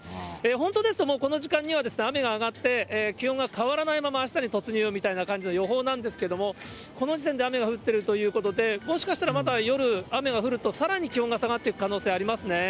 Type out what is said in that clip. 本当ですともうこの時間には、雨が上がって、気温が変わらないまま、あしたに突入みたいな感じの予報なんですけども、この時点で雨が降っているということで、もしかしたらまた夜雨が降ると、さらに気温が下がっていく可能性がありますね。